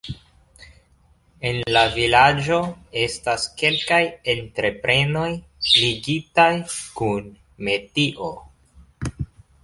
En la vilaĝo estas kelkaj entreprenoj ligitaj kun metio.